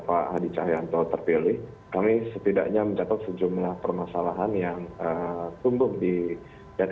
pak adi cahayanto terpilih kami setidaknya mencatat sejumlah permasalahan yang tumbuh di dan